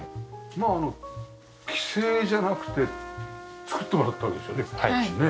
まあ既製じゃなくて作ってもらったわけですよね？